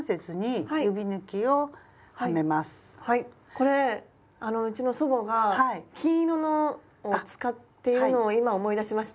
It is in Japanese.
これうちの祖母が金色のを使っているのを今思い出しました。